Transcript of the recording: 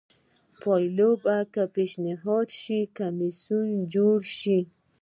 په پایله کې پېشنهاد شوی کمېسیون جوړ شو